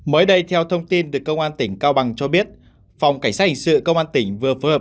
mới đây theo thông tin từ công an tỉnh cao bằng cho biết phòng cảnh sát hình sự công an tỉnh vừa phối hợp